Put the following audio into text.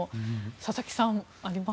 佐々木さん、あります？